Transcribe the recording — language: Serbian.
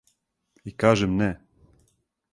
И кажем не.